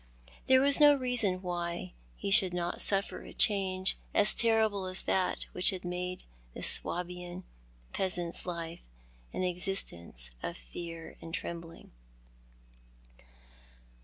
There was no reason why be f^hould not suffer a change as terrible as that which had made this Swabian peasant's life an existence of fear and trembling.